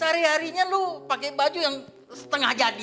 sehari harinya lu pake baju yang setengah jadi